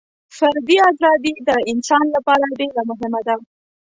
فردي ازادي د انسان لپاره ډېره مهمه ده.